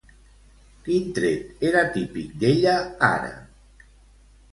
Quin tret era típic d'ella ara?